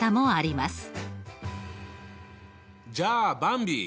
じゃあばんび